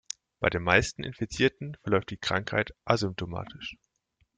Bei den meisten Infizierten verläuft die Krankheit asymptomatisch.